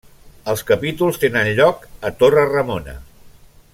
Els capítols tenen lloc a Torre Ramona.